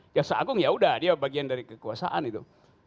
jaksa agung yaudah dia bagian dari kekuasaan itu